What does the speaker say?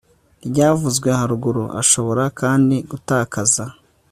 ryavuzwe haruguru ashobora kandi gutakaza